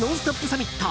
サミット。